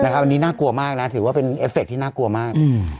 อันนี้น่ากลัวมากนะถือว่าเป็นเอฟเฟคที่น่ากลัวมาก